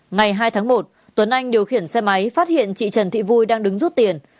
ngày hai tháng một tuấn anh điều khiển xe máy phát hiện chị trần thị vui đang đứng rút tiền